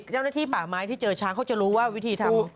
เจ้าหน้าที่ป่าไม้ที่เจอช้างเขาจะรู้ว่าวิธีทำ